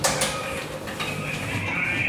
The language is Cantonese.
我會嗌㗎